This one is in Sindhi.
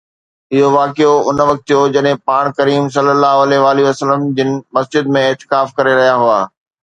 اهو واقعو ان وقت ٿيو جڏهن پاڻ ڪريم ﷺ جن مسجد ۾ اعتکاف ڪري رهيا هئا